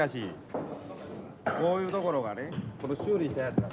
こういうところがねこれ修理したやつが。